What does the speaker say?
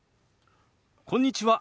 こんにちは。